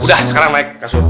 udah sekarang naik kasut